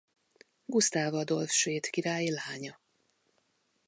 Gusztáv Adolf svéd király lánya.